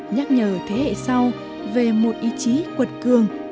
nhắc nhở thế hệ sau về một ý chí quật cường